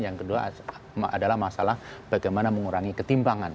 yang kedua adalah masalah bagaimana mengurangi ketimpangan